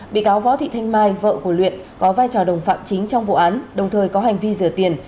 bị cáo võ thị thanh mai vợ của luyện có vai trò đồng phạm chính trong vụ án đồng thời có hành vi rửa tiền